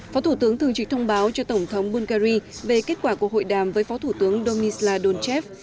phó thủ tướng thường trực thông báo cho tổng thống bungary về kết quả cuộc hội đàm với phó thủ tướng domisla donchev